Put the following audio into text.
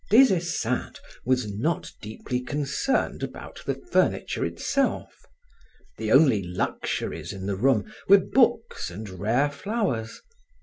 Des Esseintes was not deeply concerned about the furniture itself. The only luxuries in the room were books and rare flowers.